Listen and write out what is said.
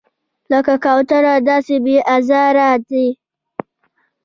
لکه کوتره داسې بې آزاره دی.